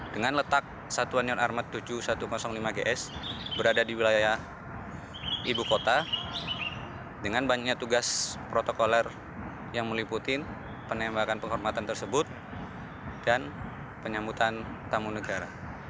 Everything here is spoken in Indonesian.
dengan letak satuan yang armat tujuh ribu satu ratus lima gs berada di wilayah ibu kota dengan banyaknya tugas protokoler yang meliputin penembakan penghormatan tersebut dan penyambutan tamu negara